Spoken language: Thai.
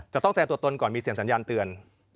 ต้องแสดงตัวตนก่อนมีเสียงสัญญาณเตือน